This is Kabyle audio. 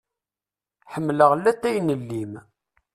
Ḥemmeleɣ llatay n llim.